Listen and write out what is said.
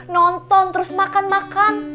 nonton terus makan makan